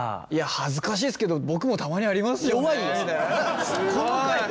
恥ずかしいですけど僕もたまにありますよねみたいな。